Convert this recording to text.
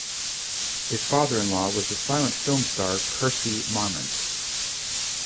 His father-in-law was the silent film star Percy Marmont.